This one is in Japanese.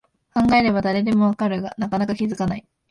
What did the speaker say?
考えれば誰でもわかるが、なかなか気づかない